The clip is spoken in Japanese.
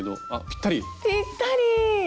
ぴったり！